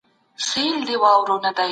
دوی یوازي ځانګړي لوري ته پام کاوه.